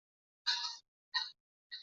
保陶基是共和党籍。